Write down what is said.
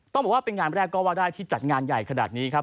บอกว่าเป็นงานแรกก็ว่าได้ที่จัดงานใหญ่ขนาดนี้ครับ